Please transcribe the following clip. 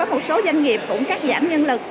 và có một số doanh nghiệp cũng cắt giảm nhân lực